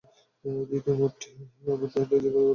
দ্বিতীয় মতটি অর্থাৎ তাঁর নিজের কন্যাগণ হওয়া ভুল।